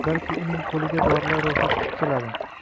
balki uning qo‘liga dorilar ro‘yxati tutiladi.